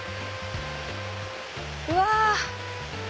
うわ。